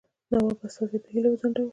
نواب استازی په هیله وځنډاوه.